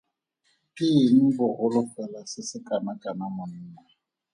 Ke eng bogolo fela se se kanakana monna.